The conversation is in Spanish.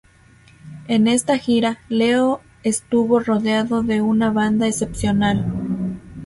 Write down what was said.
En esta gira, Leo estuvo rodeado de una banda excepcional.